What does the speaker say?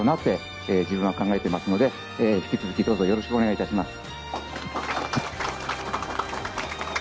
自分は考えていますので引き続きどうぞよろしくお願いいたします。